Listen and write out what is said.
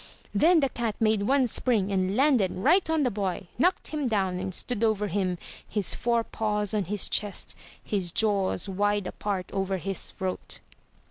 Then the cat made one spring and landed right on the boy, knocked him down and stood over him— his forepaws on his chest, his jaws wide apart over his throat.